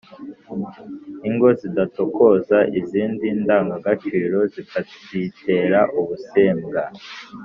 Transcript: i ngo zidatokoza izindi ndangagaciro zikazitera ubusembwa.